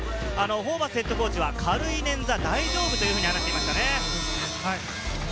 ホーバスＨＣは軽い捻挫、大丈夫と話していましたね。